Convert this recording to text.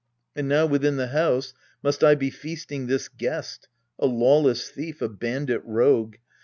And now within the house must I be feasting This guest a lawless thief, a bandit rogue